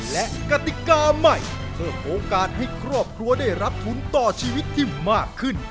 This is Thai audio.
และกติกาใหม่เพิ่มโอกาสให้ครอบครัวได้รับทุนต่อชีวิตที่มากขึ้น